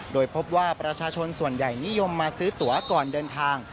โดยพบว่าประชาชนส่วนใหญ่นิยมมาซื้อตัวก่อนเดินทาง